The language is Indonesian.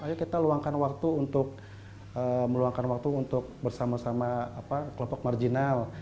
ayo kita luangkan waktu untuk bersama sama kelopok marginal